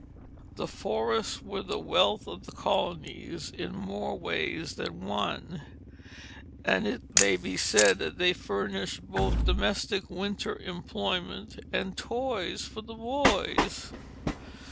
The forests were the wealth of the colonies in more ways than one; and it may be said that they furnished both domestic winter employment and toys for the boys.